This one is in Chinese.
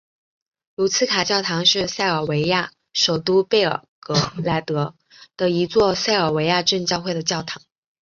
卢茨卡教堂是塞尔维亚首都贝尔格莱德的一座塞尔维亚正教会的教堂。